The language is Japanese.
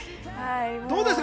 どうですか？